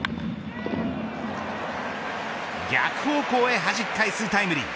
逆方向へはじき返すタイムリー。